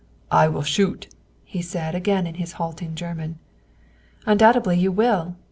"I will shoot," he said again in his halting German. "Undoubtedly you will!"